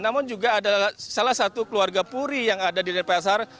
namun juga ada salah satu keluarga puri yang ada di denpasar